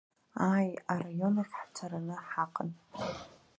Ааи, араион ахь ҳцараны ҳаҟан.